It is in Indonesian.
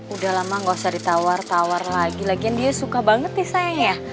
udah lama nggak usah ditawar tawar lagi lagian dia suka banget sih sayangnya